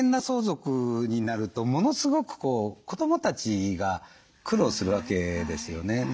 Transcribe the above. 相続になるとものすごく子どもたちが苦労するわけですよね。